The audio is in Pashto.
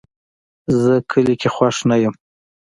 زه کلي کې خوښ نه یم